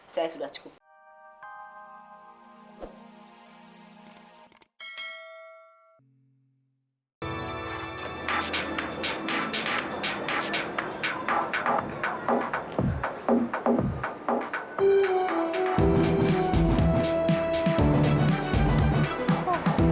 saya sudah cukup